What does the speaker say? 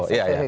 tentu saja pak